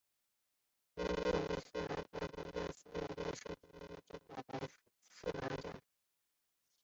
经过兰斯白房站的所有列车均经过兰斯站。